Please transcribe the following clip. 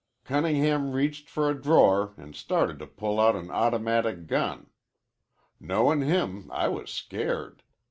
Cunningham reached for a drawer an' started to pull out an automatic gun. Knowin' him, I was scared.